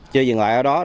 chưa dừng lại ở đó